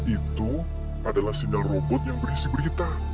itu adalah sindal robot yang berisi berita